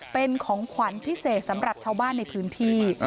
เป็นของขวัญพิเศษสำหรับชาวบ้านในพื้นที่